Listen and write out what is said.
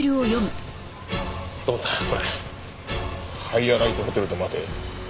「ハイアライトホテルで待て」。